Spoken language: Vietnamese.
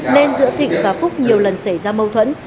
nên giữa thịnh và phúc nhiều lần xảy ra mâu thuẫn